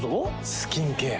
スキンケア。